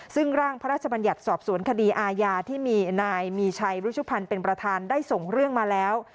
ซึ่งร่างพระราชบัญญัติสอบสวนคดีอาญาที่มีนายมีชัยรุชุพันธ์เป็นประธานได้ส่งเรื่องมาแล้ว